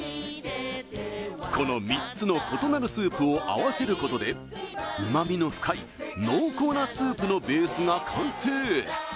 この３つの異なるスープを合わせることで旨みの深い濃厚なスープのベースが完成！